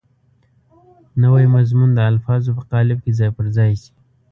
نوی مضمون د الفاظو په قالب کې ځای پر ځای شي.